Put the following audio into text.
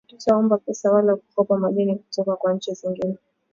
hatutaomba pesa wala kukopa madeni kutoka kwa nchi zingine